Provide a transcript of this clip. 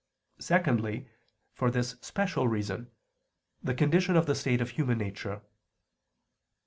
Secondly, for this special reason the condition of the state of human nature.